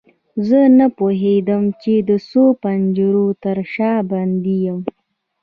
زه نه پوهیدم چې د څو پنجرو تر شا بندي یم.